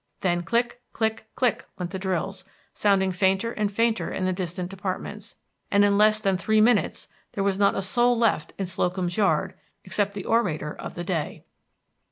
Then click, click, click! went the drills, sounding fainter and fainter in the distant departments; and in less than three minutes there was not a soul left in Slocum's Yard except the Orator of the Day.